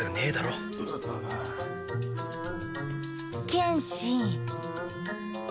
剣心。